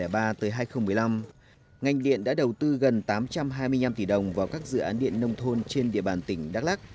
theo công ty điện lực đắk lắc trong giai đoạn từ hai nghìn ba tới hai nghìn một mươi năm ngành điện đã đầu tư gần tám trăm hai mươi năm tỷ đồng vào các dự án điện nông thôn trên địa bàn tỉnh đắk lắc